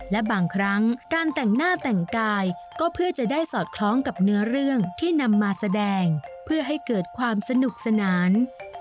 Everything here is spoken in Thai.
และบางครั้งการแต่งหน้าแต่งกายก็เพื่อจะได้สอดคล้องกับเนื้อเรื่องที่นำมาแสดงเพื่อให้เกิดความสนุกสนาน